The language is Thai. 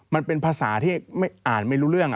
มันเป็นภาษาที่อ่านไม่รู้เรื่อง